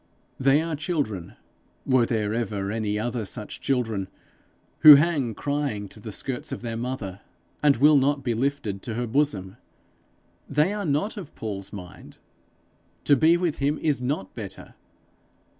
They are children were there ever any other such children? who hang crying to the skirts of their mother, and will not be lifted to her bosom. They are not of Paul's mind: to be with Him is not better!